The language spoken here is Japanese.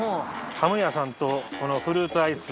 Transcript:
ハム屋さんとこのフルーツアイス。